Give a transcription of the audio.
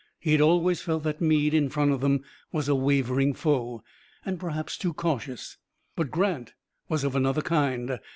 He had always felt that Meade in front of them was a wavering foe, and perhaps too cautious. But Grant was of another kind.